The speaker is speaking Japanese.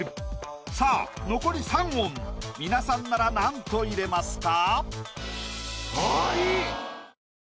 さあ残り３音皆さんならなんと入れますか？